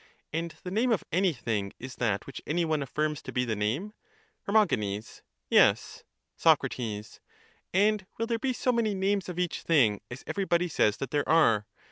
And the name of anything is that which any one affirms to be the name? Her. Yes. Soc. And will there be so many names of each thing as everybody says that there are?